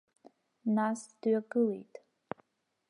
Нас дҩагылеит.